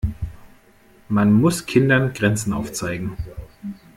Man muss Kindern Grenzen aufzeigen.